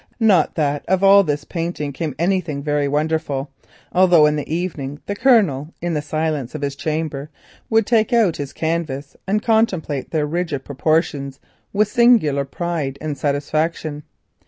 Not that of all this painting came anything very wonderful, although in the evening the Colonel would take out his canvases and contemplate their rigid proportions with singular pride and satisfaction.